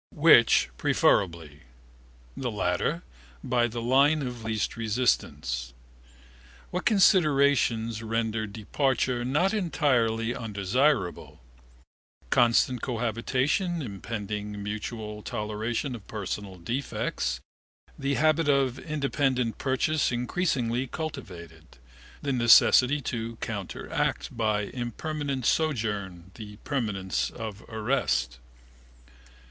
Which preferably? The latter, by the line of least resistance. What considerations rendered departure not entirely undesirable? Constant cohabitation impeding mutual toleration of personal defects. The habit of independent purchase increasingly cultivated. The necessity to counteract by impermanent sojourn the permanence of arrest.